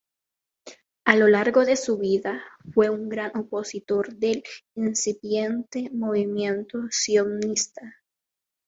A lo largo de su vida fue un gran opositor del incipiente movimiento sionista.